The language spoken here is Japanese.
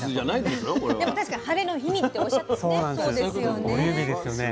でも確かにハレの日にっておっしゃってね。